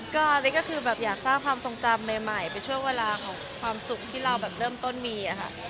ก็นี่ก็คืออยากสร้างความทรงจำใหม่ไปช่วยเวลาของความสุขที่เราเริ่มต้นมี